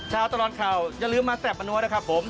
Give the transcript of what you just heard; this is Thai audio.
เช้าตลอดเข่าอย่าลืมมาแสบมนัวนะครับผม